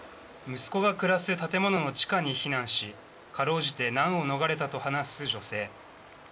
息子が暮らす建物の地下に避難しかろうじて難を逃れたと話す女性。